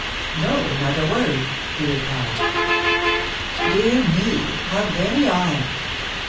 No, not a word," he replied. " Dear me, how very odd !